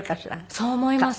そう思います。